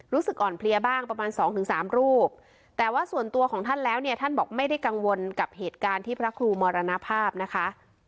รู้สึกอ่อนเพลียบ้างประมาณสองถึงสามรูปแต่ว่าส่วนตัวของท่านแล้วเนี่ยท่านบอกไม่ได้กังวลกับเหตุการณ์ที่พระครูมรณภาพนะคะ